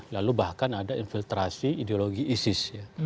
lalu bahkan ada infiltrasi ideologi isis